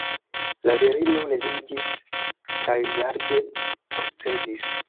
La virino leviĝis kaj larĝe oscedis.